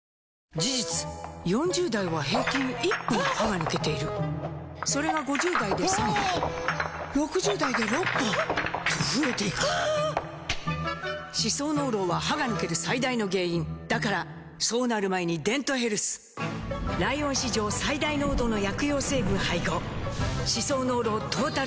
事実４０代は平均１本歯が抜けているそれが５０代で３本６０代で６本と増えていく歯槽膿漏は歯が抜ける最大の原因だからそうなる前に「デントヘルス」ライオン史上最大濃度の薬用成分配合歯槽膿漏トータルケア！